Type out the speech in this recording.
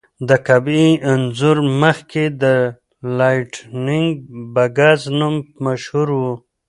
د کعبې انځور مخکې د لایټننګ بګز نوم مشهور و.